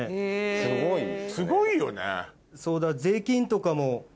すごいよね。